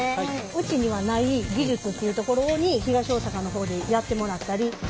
うちにはない技術っていうところに東大阪の方でやってもらったり。